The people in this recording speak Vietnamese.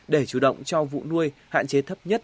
để chủ động cho vụ nuôi hạn chế thấp nhất